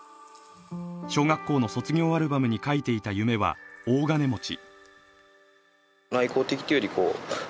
小学校の卒業アルバムに書いていた夢は大金持ち。